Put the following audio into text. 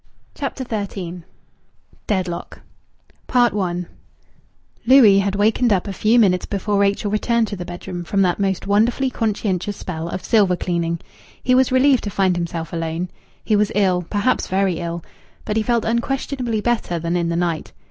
CHAPTER XIII DEAD LOCK I Louis had wakened up a few minutes before Rachel returned to the bedroom from that most wonderfully conscientious spell of silver cleaning. He was relieved to find himself alone. He was ill, perhaps very ill, but he felt unquestionably better than in the night.